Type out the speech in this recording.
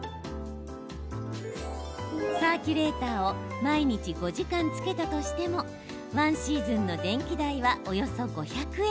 サーキュレーターを毎日５時間つけたとしても１シーズンの電気代はおよそ５００円。